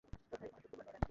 বিয়ে হয়নি মানে?